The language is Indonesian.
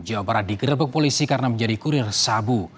jawa barat digerebek polisi karena menjadi kurir sabu